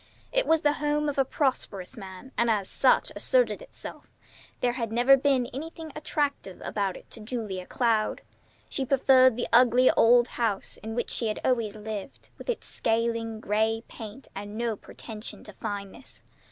It was the home of a prosperous man, and as such asserted itself. There had never been anything attractive about it to Julia Cloud. She preferred the ugly old house in which she had always lived, with its scaling gray paint and no pretensions to fineness.